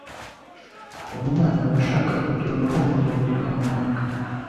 umwana aba ashaka kugira uruhare mu mirimo runaka,